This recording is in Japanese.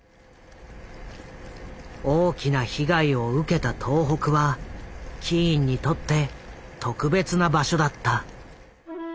大きな被害を受けた東北はキーンにとって特別な場所だった。